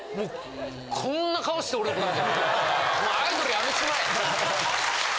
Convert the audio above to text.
こんな顔して「お前アイドル辞めちまえ！」。